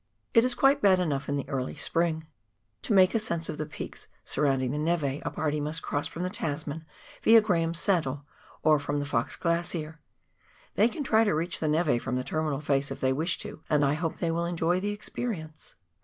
It is quite bad enough in the early spring. To make ascents of the peaks surrounding the neve, a party must cross from the Tasman viq, Graham's Saddle, or from the Fox Glacier ; they can try to reach the neve from the terminal face if they wish to, and I hope they will enjoy the experience